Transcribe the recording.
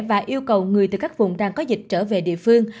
và yêu cầu người từ các vùng đang có dịch trở về địa phương